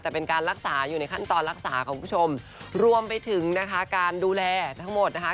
แต่เป็นการรักษาอยู่ในขั้นตอนรักษาของคุณผู้ชมรวมไปถึงนะคะการดูแลทั้งหมดนะคะ